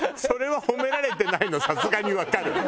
それは褒められてないのさすがにわかる。